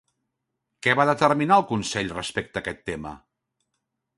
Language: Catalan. Què va determinar el Consell respecte a aquest tema?